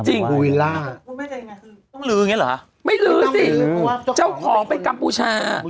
ต้องลื้ออย่างเนี้ยเหรอไม่ลื้อสิเจ้าของเป็นกัมปูชา